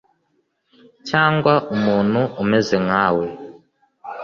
cyangwa umuntu umeze nka we